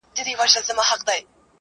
چي پر دي دي او که خپل خوبونه ویني-